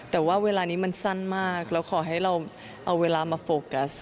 แต่ว่าเวลานี้มันสั้นมากเราขอให้เราเอาเวลามาโฟกัส